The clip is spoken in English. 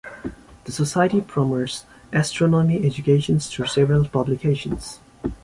The society promotes astronomy education through several publications.